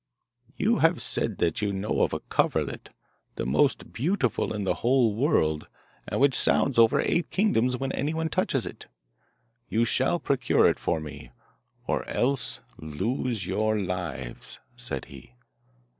'You have said that you know of a coverlet, the most beautiful in the whole world, and which sounds over eight kingdoms when anyone touches it. You shall procure it for me, or else lose your lives,' said he.